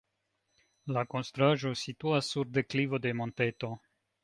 La konstruaĵo situas sur deklivo de monteto.